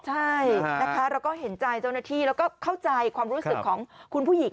ใช่นะคะเราก็เห็นใจเจ้าหน้าที่แล้วก็เข้าใจความรู้สึกของคุณผู้หญิง